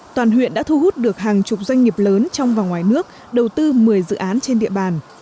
toàn huyện đã thu hút được hàng chục doanh nghiệp lớn trong và ngoài nước đầu tư một mươi dự án trên địa bàn